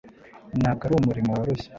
ntabwo ari umurimo woroshye